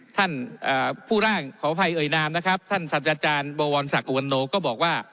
ท่านผู้ร่างขออภัยเอ่ยนามนะครับท่านสัตว์อาจารย์บวรศักดิอุวันโนก็บอกว่า